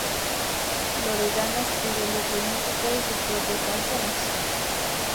Loredana escribe letra y música de sus propias canciones.